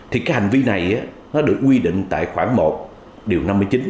thì cái hành vi này nó được quy định tại khoản một điều năm mươi chín